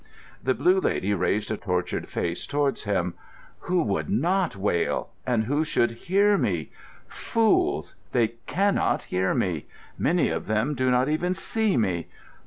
The Blue Lady raised a tortured face towards him. "Who would not wail? And who should hear me? Fools! They can not hear me. Many of them do not even see me.